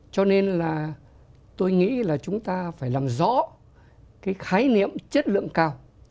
cho nên là tôi nghĩ là chúng ta phải làm rõ cái khái niệm chất lượng cao